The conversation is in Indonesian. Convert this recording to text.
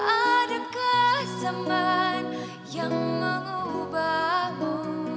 adakah zaman yang mengubahmu